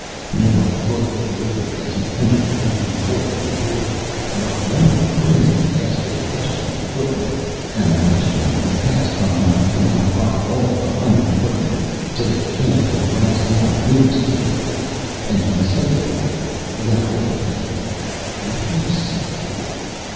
Nobody looked at Leothric as he entered through the hole in the door, but one of the Princes asked a question of a footman, and the question was passed from mouth to mouth by all the hundred footmen till it came to the last one nearest Leothric; and he said to Leothric, without looking at him: 'What do you seek here?'